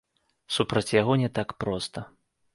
Супраць яго не так проста.